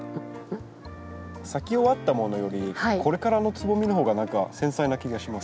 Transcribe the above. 咲き終わったものよりこれからのつぼみのほうが何か繊細な気がします。